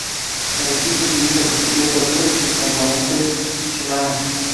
El equipo utiliza bicicletas Look, y componentes Shimano.